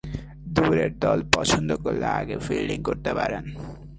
দূরের দল পছন্দ করলে আগে ফিল্ডিং করতে পারেন।